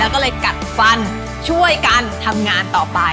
แล้วก็เลยกัดฟันช่วยกันทำงานต่อไป